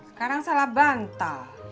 sekarang salah bantal